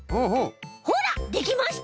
ほらできました！